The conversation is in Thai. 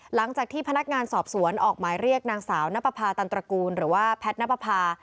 หลังจากที่พนักงานสอบสวนออกหมายเรียกนางสาวนปภาตันตระกูลหรือว่าแพทย์นับประพา